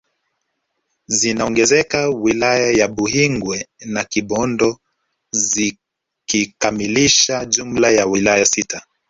Zinaongezeka wilaya za Buhingwe na Kibondo zikikamilisha jumla ya wilaya sita